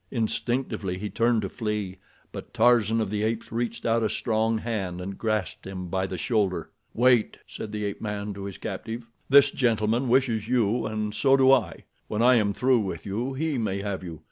Instinctively he turned to flee; but Tarzan of the Apes reached out a strong hand and grasped him by the shoulder. "Wait!" said the ape man to his captive. "This gentleman wishes you, and so do I. When I am through with you, he may have you.